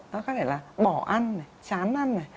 nó có thể là bỏ ăn chán ăn